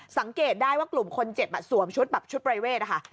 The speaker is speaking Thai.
สังเกตได้ว่ากลุ่มคนเจ็บสวมชุดแบบชุดปรายเวทค่ะ